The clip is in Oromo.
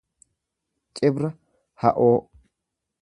Cibra ha'oo